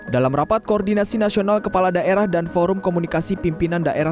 dalam rapat koordinasi nasional kepala daerah dan forum komunikasi pimpinan daerah